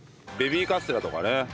ベビーカステラとかね。